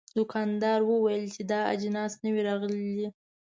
دوکاندار وویل چې دا جنس نوي راغلي دي.